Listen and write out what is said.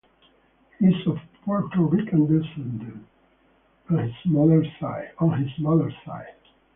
He is of Puerto Rican descent on his mother’s side.